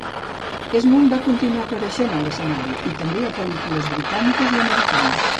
Esmond va continuar apareixent a l'escenari i també a pel·lícules britàniques i americanes.